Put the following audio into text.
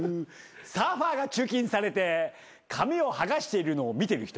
サーファーが駐禁されて紙を剥がしているのを見てる人。